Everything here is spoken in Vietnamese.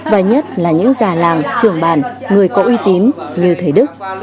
và nhất là những già làng trưởng bản người có uy tín như thầy đức